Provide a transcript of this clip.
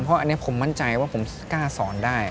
เพราะอันนี้ผมมั่นใจว่าผมกล้าสอนได้